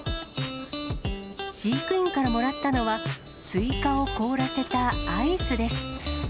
飼育員からもらったのは、スイカを凍らせたアイスです。